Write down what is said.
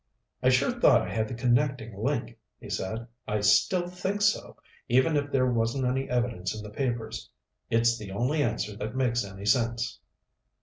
"I sure thought I had the connecting link," he said. "I still think so, even if there wasn't any evidence in the papers. It's the only answer that makes any sense."